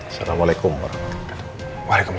assalamualaikum warahmatullahi wabarakatuh